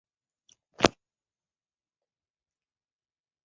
锂聚电池通常是由数个相同的平行子电池芯串联来增加可用电压。